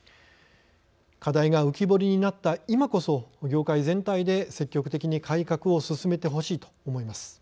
課題が浮き彫りになった今こそ業界全体で積極的に改革を進めてほしいと思います。